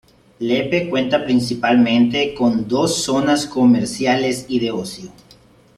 Lepe cuenta principalmente con dos zonas comerciales y de ocio.